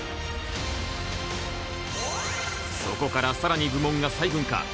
そこから更に部門が細分化。